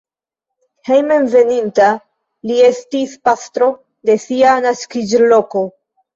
Hejmenveninta li estis pastro en sia naskiĝloko.